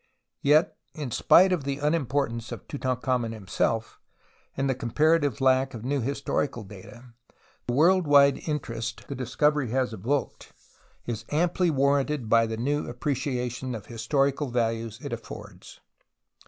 15 16 TUTANKHAMEN Yet, in spite of the unimportance of Tutan khamen himself and the comparative lack of new historical data, the world wide interest the discovery has evoked is amply warranted by the new appreciation of historical values it affords.